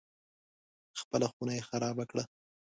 خپله خونه یې خرابه کړه.